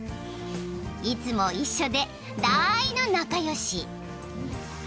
［いつも一緒で大の仲良し］